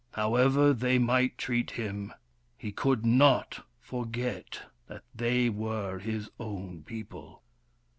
However they might treat him, he could not forget that they were his own people.